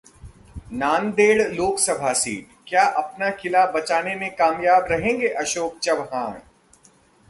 Nanded Lok Sabha seat: क्या अपना किला बचाने में कामयाब रहेंगे अशोक चव्हाण?